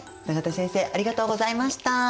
永田先生ありがとうございました。